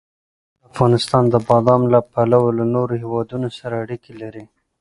افغانستان د بادام له پلوه له نورو هېوادونو سره اړیکې لري.